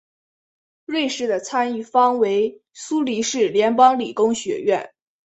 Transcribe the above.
瑞士的参与方为苏黎世联邦理工学院。